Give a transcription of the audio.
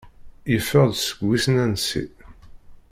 Yeffeɣ-d seg wissen ansi.